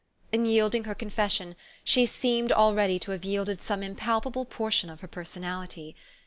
In yielding her confession, she seemed already to have yielded some impalpable portion of her personality.